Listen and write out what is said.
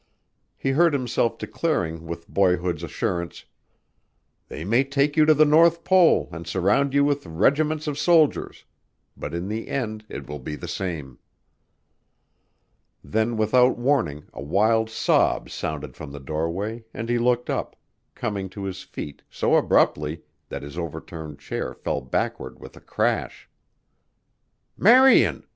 He heard himself declaring with boyhood's assurance, "They may take you to the North Pole and surround you with regiments of soldiers but in the end it will be the same." Then without warning a wild sob sounded from the doorway and he looked up, coming to his feet so abruptly that his overturned chair fell backward with a crash. "Marian!"